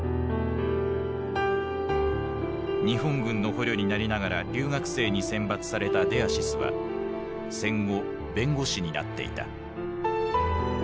日本軍の捕虜になりながら留学生に選抜されたデアシスは戦後弁護士になっていた。